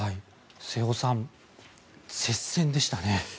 瀬尾さん接戦でしたね。